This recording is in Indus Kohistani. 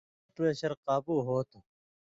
بلڈ پریشر قابُو ہوتُھو۔